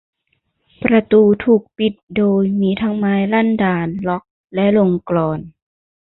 ประตูถูกปิดโดยมีทั้งไม้ลั่นดาล ล็อค และลงกลอน